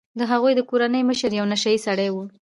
د هغوی د کورنۍ مشر یو نشه يي سړی و.